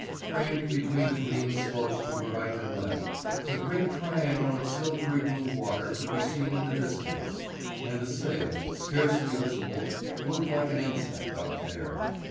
Framed between the green slopes to the right and left, a great triangle of silvery blue water could be seen in the distance, and a sail, scarcely visible, looked like an insect out there.